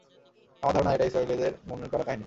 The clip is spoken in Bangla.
আমার ধারণা, এটা ইসরাঈলীদের মনগড়া কাহিনী।